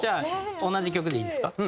同じ曲でいいですか？